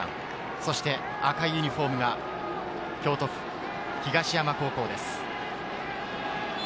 そして赤いユニホームが京都府・東山高校です。